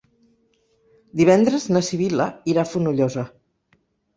Divendres na Sibil·la irà a Fonollosa.